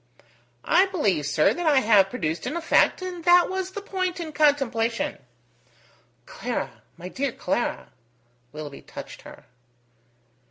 "I believe, sir, that I have produced an effect, and that was the point in contemplation." "Clara! my dear Clara!" Willoughby touched her.